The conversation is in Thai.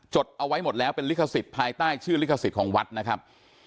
เอาไว้หมดแล้วเป็นลิขสิทธิ์ภายใต้ชื่อลิขสิทธิ์ของวัดนะครับ